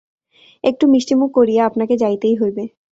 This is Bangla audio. একটু মিষ্টমুখ করিয়া আপনাকে যাইতেই হইবে।